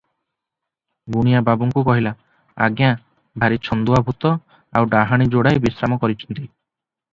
ଗୁଣିଆ ବାବୁଙ୍କୁ କହିଲା, "ଆଜ୍ଞା, ଭାରି ଛନ୍ଦୁଆ ଭୂତ, ଆଉ ଡାହାଣୀ ଯୋଡାଏ ବିଶ୍ରାମ କରିଛନ୍ତି ।